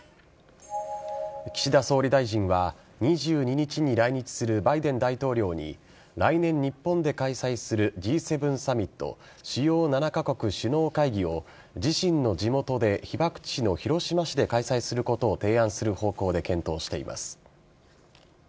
岸田総理大臣は２２日に来日するバイデン大統領に来年日本で開催するＧ７サミット主要７カ国首脳会議を自身の地元で、被爆地の広島市で開催することを提案する方向で検討しています。